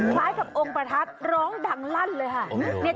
คล้ายกับองค์ประทัดร้องดังลั่นเลยค่ะ